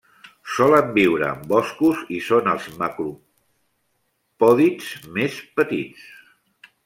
Solen viure en boscos i són els macropòdids més petits.